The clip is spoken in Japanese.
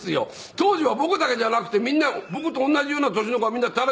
当時は僕だけじゃなくてみんな僕と同じような年の子はみんな垂らしていたんです。